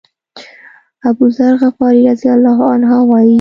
أبوذر غفاري رضی الله عنه وایي.